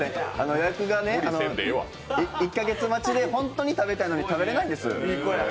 予約が１か月待ちで、本当に食べたいのに食べれないんです。